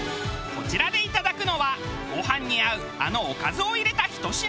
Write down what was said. こちらでいただくのはご飯に合うあのおかずを入れたひと品。